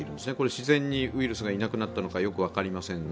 自然にウイルスがいなくなったのか、よく分かりませんが。